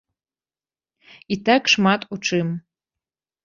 І так шмат у чым.